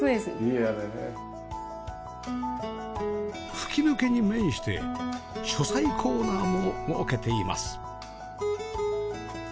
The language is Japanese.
吹き抜けに面して書斎コーナーも設けています